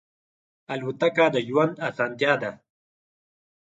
الوتکه د ژوند آسانتیا ده.